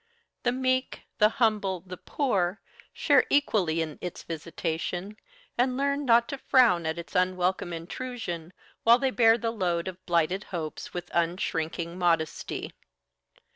The meek, the humble, the poor share equally in its visitation, and learn not to frown at its unwelcome intrusion while they bear the load of blighted hopes with unshrinking modesty.